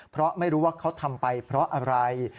เพราะไม่รู้ว่าเขาทำไปเพราะอะไร